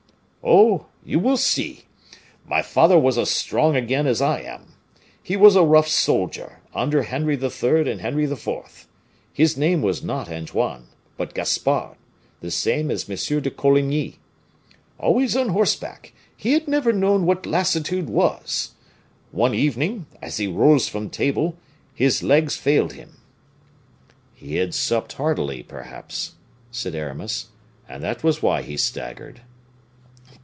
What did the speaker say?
"Oh! you will see. My father was as strong again as I am. He was a rough soldier, under Henry III. and Henry IV.; his name was not Antoine, but Gaspard, the same as M. de Coligny. Always on horseback, he had never known what lassitude was. One evening, as he rose from table, his legs failed him." "He had supped heartily, perhaps," said Aramis, "and that was why he staggered."